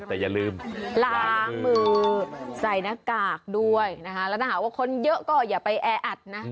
แต่อย่าลืมล้างมือใส่หน้ากากด้วยนะคะแล้วถ้าหากว่าคนเยอะก็อย่าไปแออัดนะ